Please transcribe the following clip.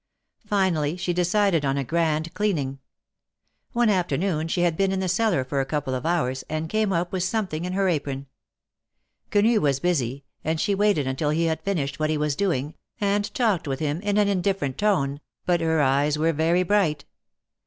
Finally she decided on a grand cleaning. One afternoon she had been in the cellar for a couple of hours, and came up with something in her apron. Quenu was busy, and she waited until he had finished what he was doing, and talked with him in an indifferent tone, but her eyes were very bright.